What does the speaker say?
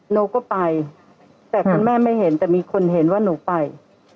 หนูก็ไปแต่คุณแม่ไม่เห็นแต่มีคนเห็นว่าหนูไป